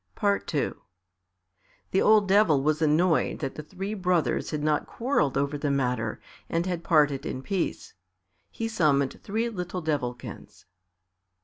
II The old Devil was annoyed that the three brothers had not quarrelled over the matter and had parted in peace. He summoned three little Devilkins.